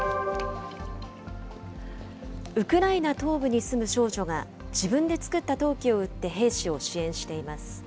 ウクライナ東部に住む少女が自分で作った陶器を売って兵士を支援しています。